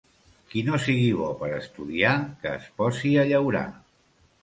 Qui no sigui bo per estudiar, que es posi a llaurar.